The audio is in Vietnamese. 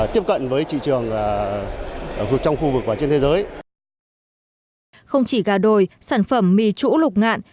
tiếp cận với thị trường trong khu vực và trên thế giới không chỉ gà đồi sản phẩm mì trũ lục ngạn